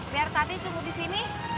biar tadi cukup di sini